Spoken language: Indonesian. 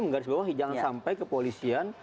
menggaris bawah hijauan sampai kepolisian